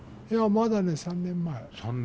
いやまだね３年前。